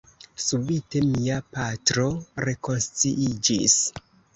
Subite mia patro rekonsciiĝis.